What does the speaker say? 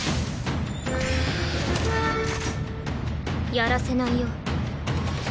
やらせないよ。